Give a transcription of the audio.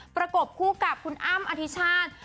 ประกบคู่กับคุณอ้ำอธิชาติ